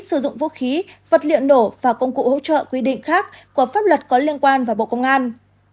sử dụng vũ khí vật liệu nổ và công cụ hỗ trợ quy định khác của pháp luật có liên quan và bộ công an